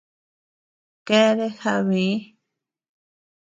Keadea jabee.